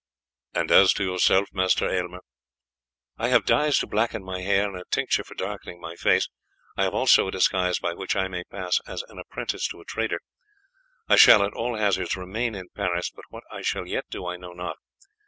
"And as to yourself, Master Aylmer?" "I have dyes to blacken my hair and a tincture for darkening my face. I have also a disguise by which I may pass as an apprentice to a trader. I shall at all hazards remain in Paris, but what I shall yet do I know not.